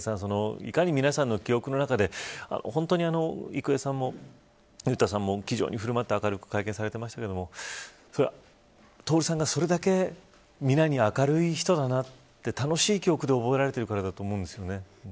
いかに皆さんの記憶の中で本当に、郁恵さんも裕太さんも気丈に振る舞って明るく会見されてましたけどそれは徹さんがそれだけ皆に明るい人だなって楽しい記憶で覚えられてるからだと思うんですよね。